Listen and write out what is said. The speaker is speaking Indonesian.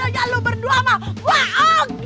kalau jodohnya lu berdua mah